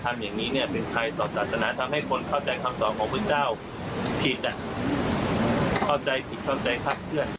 ถ้าอย่างนี้คือสำนักพุทธนะค่ะน่าจะต้องเข้าไปตรวจสอบดูแลแล้วนะคะ